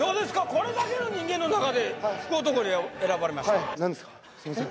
これだけの人間の中で福男に選ばれました